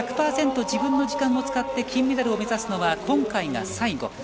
自分の時間を使って金メダルを目指すのは今回が最後。